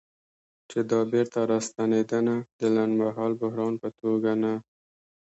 چې دا بیرته راستنېدنه د لنډمهاله بحران په توګه نه